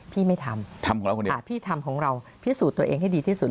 พี่ไม่ทำพี่ทำของเราพิสูจน์ตัวเองให้ดีที่สุด